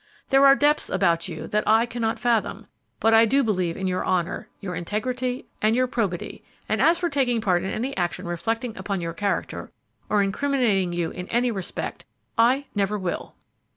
There are depths about you that I cannot fathom. But I do believe in your honor, your integrity, and your probity, and as for taking part in any action reflecting upon your character, or incriminating you in any respect, I never will!"